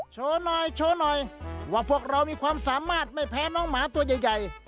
โชว์หน่อยโชว์หน่อยว่าพวกเรามีความสามารถไม่แพ้น้องหมาตัวใหญ่